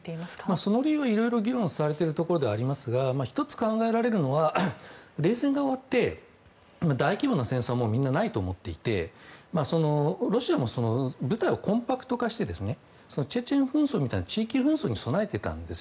その理由はいろいろ議論されていますが１つ考えられるのは冷戦が終わって大規模な戦争はみんなないと思っていてロシアも舞台をコンパクト化してチェチェン紛争みたいな地域紛争に備えていたんですよ。